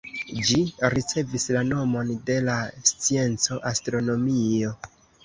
Ĝi ricevis la nomon de la scienco "astronomio".